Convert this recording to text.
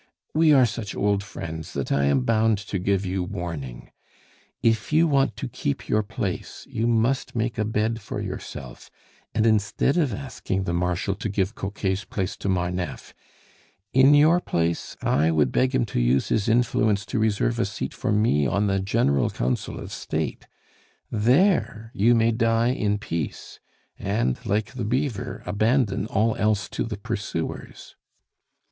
"We are such old friends, that I am bound to give you warning. If you want to keep your place, you must make a bed for yourself, and instead of asking the Marshal to give Coquet's place to Marneffe, in your place I would beg him to use his influence to reserve a seat for me on the General Council of State; there you may die in peace, and, like the beaver, abandon all else to the pursuers."